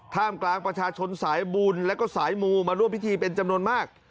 ท่ามกลางประชาชนสายบุญแล้วก็สายมูมาร่วมพิธีเป็นจำนวนมาก